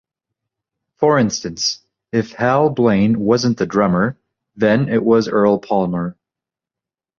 For instance, if Hal Blaine wasn't the drummer, then it was Earl Palmer.